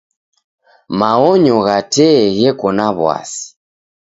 Maonyo gha tee gheko na w'asi.